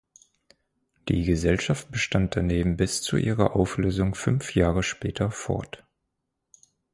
Die Gesellschaft bestand daneben bis zu ihrer Auflösung fünf Jahre später fort.